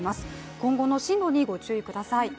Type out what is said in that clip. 今後の進路にご注意ください。